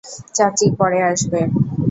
চাচি পরে আসবে।